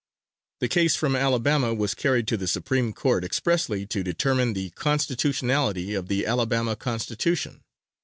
The case from Alabama was carried to the Supreme Court expressly to determine the constitutionality of the Alabama Constitution.